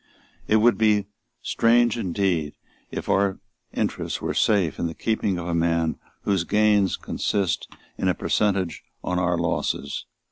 It would be strange indeed if our interests were safe in the keeping of a man whose gains consist in a percentage on our losses.